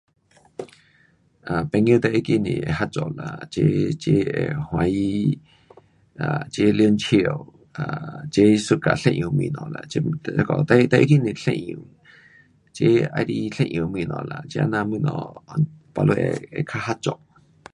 啊，朋友最要紧是会合作啦，齐，齐会欢喜，um 齐玩笑，um 齐 suka 一样的东西啦。这那个就要紧是一样齐喜欢一样的东西啦。这那样东西 baru 会，会较合作。